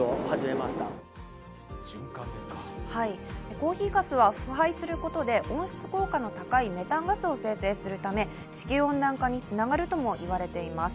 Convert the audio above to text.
コーヒーかすは腐敗することで温室効果の高いメタンガスを生成するため地球温暖化につながるとも言われています。